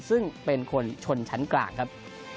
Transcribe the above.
ซึ่งเป็นคนชนชั้นกลางครับ